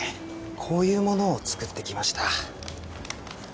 こういうものを作ってきました